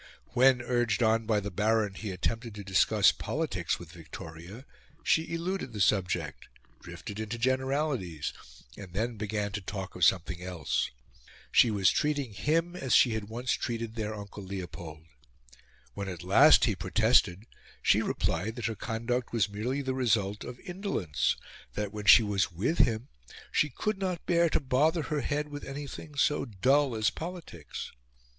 When, urged on by the Baron, he attempted to discuss politics with Victoria, she eluded the subject, drifted into generalities, and then began to talk of something else. She was treating him as she had once treated their uncle Leopold. When at last he protested, she replied that her conduct was merely the result of indolence; that when she was with him she could not bear to bother her head with anything so dull as politics.